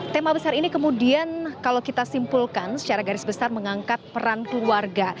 tema besar ini kemudian kalau kita simpulkan secara garis besar mengangkat peran keluarga